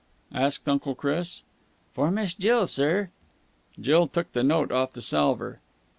asked Uncle Chris. "For Miss Jill, sir." Jill took the note off the salver.